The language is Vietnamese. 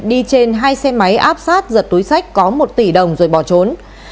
đi trên hai xe máy áp sát giật túi sách có một tỷ đồng rồi bỏ trốn